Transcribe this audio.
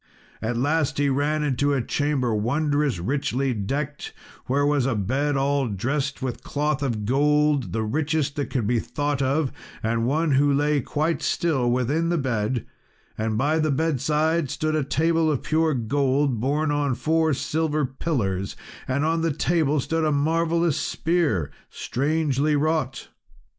At last he ran into a chamber wondrous richly decked, where was a bed all dressed with cloth of gold, the richest that could be thought of, and one who lay quite still within the bed; and by the bedside stood a table of pure gold borne on four silver pillars, and on the table stood a marvellous spear, strangely wrought.